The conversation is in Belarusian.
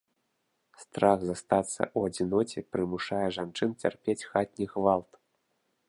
Страх застацца ў адзіноце прымушае жанчын цярпець хатні гвалт.